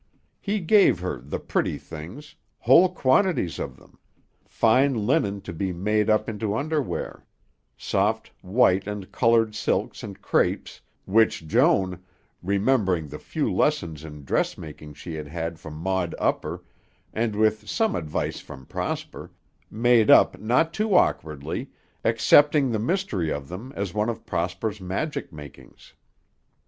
He gave her the "pretty things," whole quantities of them, fine linen to be made up into underwear, soft white and colored silks and crêpes, which Joan, remembering the few lessons in dressmaking she had had from Maud Upper and with some advice from Prosper, made up not too awkwardly, accepting the mystery of them as one of Prosper's magic makings.